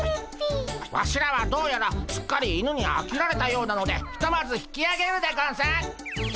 ワシらはどうやらすっかり犬にあきられたようなのでひとまず引きあげるでゴンス。